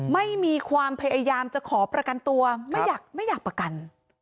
ไม่มีความพยายามจะขอประกันตัวไม่อยากประกัน